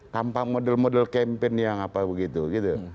tanpa model model campaign yang apa begitu gitu